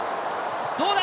どうだ？